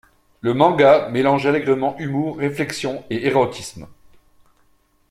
Le manga mélange allègrement humour, réflexion et érotisme.